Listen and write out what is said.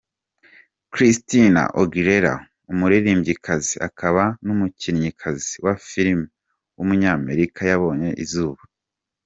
Christina Aguilera, umuririmbyikazi akaba n’umukinnyikazi wa filime w’umunyamerika yabonye izuba.